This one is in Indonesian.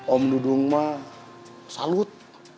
om dudung mah salut